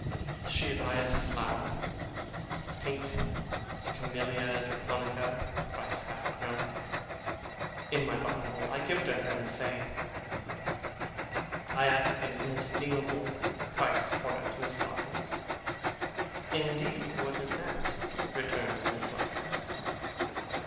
She admires a flower (pink camellia japonica, price half a crown), in my button hole. I give it her, and say: 'I ask an inestimable price for it, Miss Larkins.' 'Indeed! What is that?' returns Miss Larkins.